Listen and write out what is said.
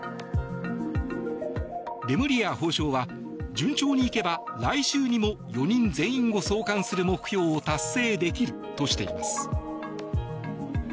レムリヤ法相は順調に行けば、来週にも４人全員を送還する目標を達成できるとしています。